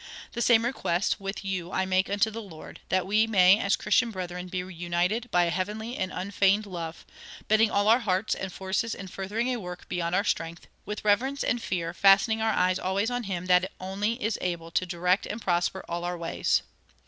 The same request with you I make unto the Lord, that we may as Christian brethren be united by a heavenly and unfeigned love, bending all our hearts and forces in furthering a work beyond our strength, with reverence and fear fastening our eyes always on him that only is able to direct and prosper all our ways.